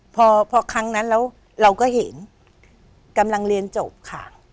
พอครั้งนั้นแล้วเราก็เห็นกำลังเรียนจบค่ะ